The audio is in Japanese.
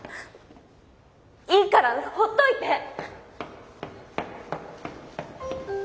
いいからほっといて！